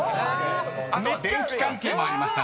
［あとは電気関係もありました。